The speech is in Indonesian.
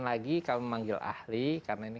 lagi kami memanggil ahli karena ini